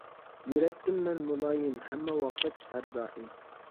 يۈرەتتىم مەن مۇلايىم، ھەممە ۋاقىت، ھەر دائىم.